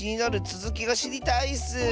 つづきがしりたいッス！